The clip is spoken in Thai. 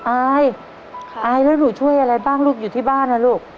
อายอายแล้วหนูช่วยอะไรบ้างลูกอยู่ที่บ้านนะลูก